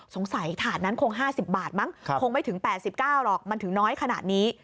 ขนาดถาดนั้นคง๕๐บาทมั้งคงไม่ถึง๘๙หรอกมันถึงน้อยขนาดนี้